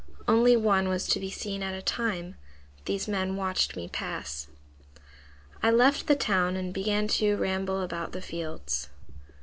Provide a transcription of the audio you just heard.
Only one was to be seen at a time. These men watched me pass. "I left the town and began to ramble about the fields.